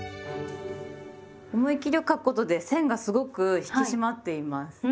思い切り書くことで線がすごく引き締まっています。